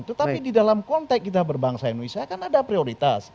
tetapi di dalam konteks kita berbangsa indonesia kan ada prioritas